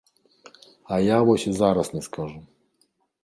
А я вось і зараз не скажу.